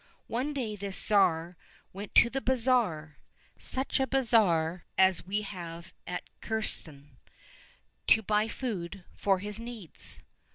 One day this Tsar went to the bazaar (such a bazaar as we have at Kherson) to buy food for his needs.